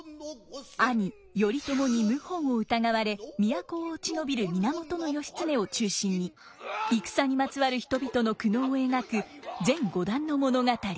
兄頼朝に謀反を疑われ都を落ち延びる源義経を中心に戦にまつわる人々の苦悩を描く全五段の物語。